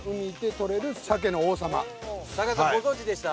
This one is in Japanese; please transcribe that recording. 木さんご存じでした？